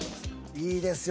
いいですよ